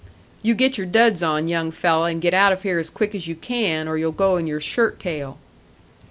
"You get your duds on, young fellow, and get out of here as quick as you can, or you'll go in your shirt tail."